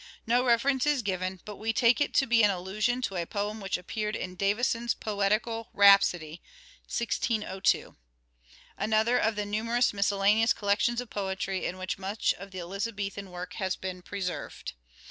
No reference is given, but we take it to be an allusion to a poem which appeared in Davison's "Poetical Rhapsody" (1602), another of the numerous miscellaneous collections of poetry in which much of the Elizabethan work has been preserved.